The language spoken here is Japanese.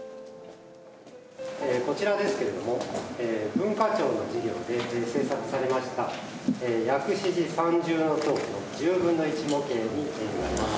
こちらですけれども、文化庁の事業で制作されました、薬師寺三重塔の１０分の１模型にございます。